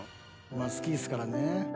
まあ好きですからね。